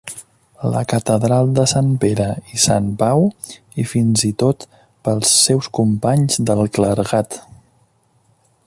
La catedral de Sant Pere i Sant Pau, i fins i tot pels seus companys del clergat.